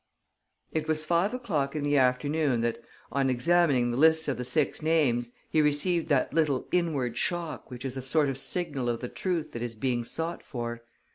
It was at five o'clock in the afternoon that, on examining the list of the six names, he received that little inward shock which is a sort of signal of the truth that is being sought for.